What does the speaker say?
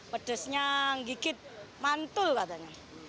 pedasnya nggikit mantul katanya